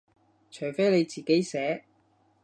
除非你自己寫